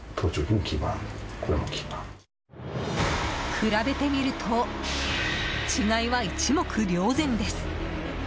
比べてみると違いは一目瞭然です。